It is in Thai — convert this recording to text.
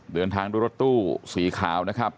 เดินทางด้วยรถตู้สีขาวนะครับ